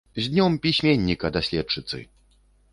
З днём пісьменніка, даследчыцы!